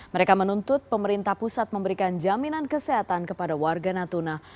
mereka menuntut pemerintah pusat memberikan jaminan kesehatan kepada warga natuna